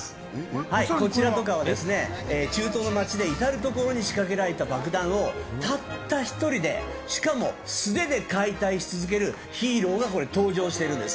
こちらは中東の町でいたるところに仕掛けられた爆弾をたった１人でしかも、素手で解体し続けるヒーローが登場してるんです。